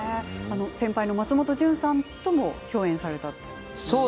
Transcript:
先輩の松本潤さんとも共演されたんですよね。